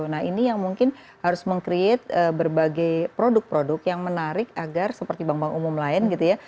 nah ini yang mungkin harus meng create berbagai produk produk yang menarik agar seperti bank bank umum lain gitu ya